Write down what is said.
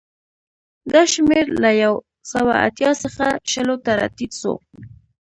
دا شمېر له یو سوه اتیا څخه شلو ته راټیټ شو